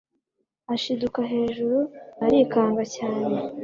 ashidukira hejuru arikanga cyane